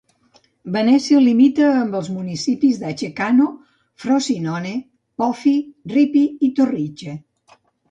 Venècia limita amb els municipis de Ceccano, Frosinone, Pofi, Ripi i Torrice.